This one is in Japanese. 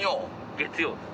月曜です。